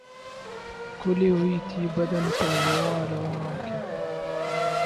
کھُلی ہوئی تھیں بدن پر رُواں رُواں آنکھیں